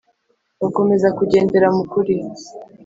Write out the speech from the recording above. Bakomeza kugendera mu kuri